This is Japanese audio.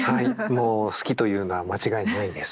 もう好きというのは間違いないですね。